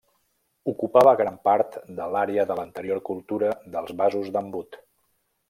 Ocupava gran part de l'àrea de l'anterior cultura dels vasos d'embut.